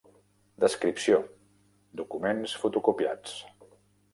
Descripció: documents fotocopiats.